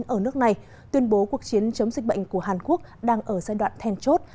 ở nước này tuyên bố cuộc chiến chống dịch bệnh của hàn quốc đang ở giai đoạn thèn chốt